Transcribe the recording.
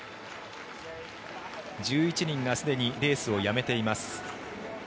１１人がすでにレースをやめています。